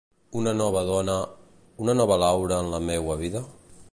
Una nova dona... una nova Laura en la meua vida?